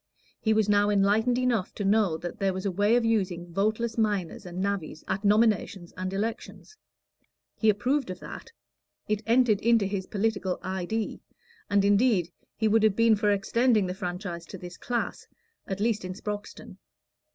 He was now enlightened enough to know that there was a way of using voteless miners and navvies at nominations and elections. He approved of that; it entered into his political "idee"; and indeed he would have been for extending the franchise to this class at least in Sproxton.